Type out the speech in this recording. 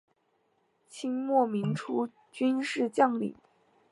清末民初军事将领。